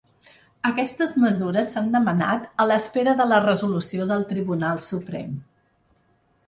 Aquestes mesures s’han demanat a l’espera de la resolució del Tribunal Suprem.